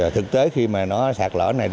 thực tế khi mà nó sạc lỡ này